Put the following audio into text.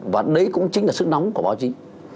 và đấy cũng chính là sự nóng của báo chí